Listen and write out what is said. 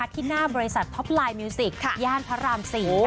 ที่หน้าบริษัทท็อปไลน์มิวสิกย่านพระราม๔